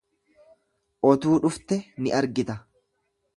Otuu dhufte ni argita.